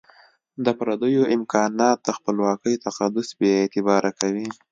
د پردیو امکانات د خپلواکۍ تقدس بي اعتباره کوي.